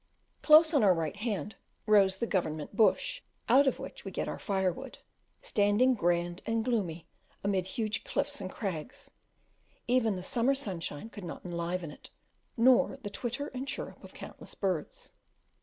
Close on our right hand rose the Government bush out of which we get our firewood, standing grand and gloomy amid huge cliffs and crags; even the summer sunshine could not enliven it, nor the twitter and chirrup of countless birds.